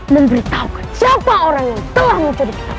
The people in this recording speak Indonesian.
memberitahu ke siapa orang yang telah mencuri kita